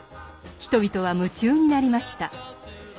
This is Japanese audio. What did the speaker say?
人々は夢中になりました。